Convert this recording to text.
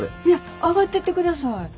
いや上がってってください。